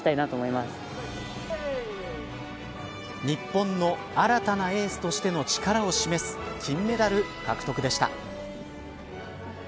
日本の新たなエースとしての力を示す金メダル獲得でした。